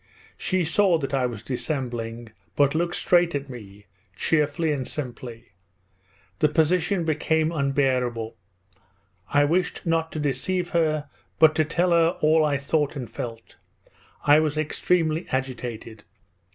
She saw that I was dissembling, but looked straight at me cheerfully and simply. This position became unbearable. I wished not to deceive her but to tell her all I thought and felt. I was extremely agitated.